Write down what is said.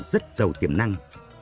rất giàu tiềm năng